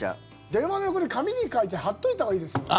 電話の横に、紙に書いて貼っておいたほうがいいですよね。